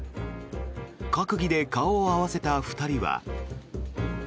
閣議で顔を合わせた２人は。